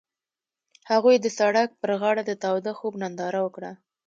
هغوی د سړک پر غاړه د تاوده خوب ننداره وکړه.